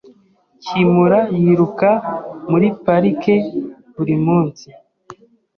Kimura yiruka muri parike buri munsi .